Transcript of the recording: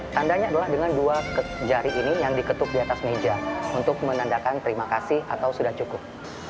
tandanya adalah dengan dua jari ini yang diketuk di atas meja untuk menandakan terima kasih atau sudah cukup